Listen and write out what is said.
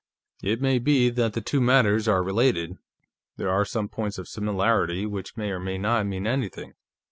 It may be that the two matters are related; there are some points of similarity, which may or may not mean anything.